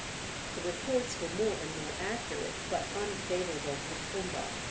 The reports were more and more accurate, but unfavorable for Fumba.